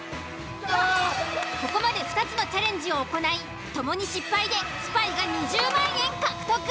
ここまで２つのチャレンジを行いともに失敗でスパイが２０万円獲得。